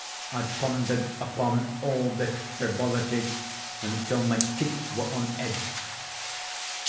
I pondered upon all this frivolity until my teeth were on edge.